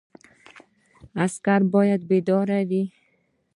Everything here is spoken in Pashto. عسکر باید بیدار وي